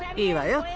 いいわよ。